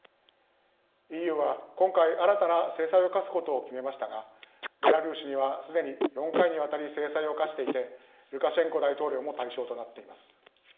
ＥＵは今回新たな制裁を科すことを決めましたがベラルーシにはすでに４回にわたり制裁を科していてルカシェンコ大統領も対象となっています。